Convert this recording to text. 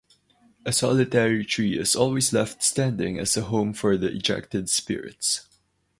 A solitary tree is always left standing as a home for the ejected spirits.